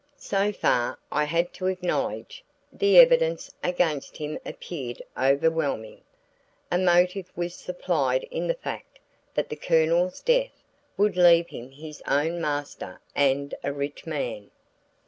So far, I had to acknowledge, the evidence against him appeared overwhelming. A motive was supplied in the fact that the Colonel's death would leave him his own master and a rich man.